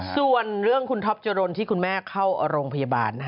ส่วนเรื่องคุณท็อปจรนที่คุณแม่เข้าโรงพยาบาล